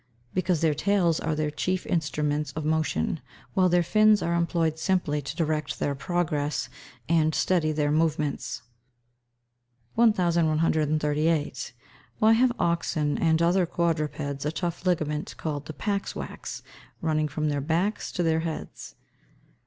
_ Because their tails are their chief instruments of motion, while their fins are employed simply to direct their progress, and steady their movements. 1138. _Why have oxen, and other quadrupeds a tough ligament called the "pax wax," running from their backs to their heads?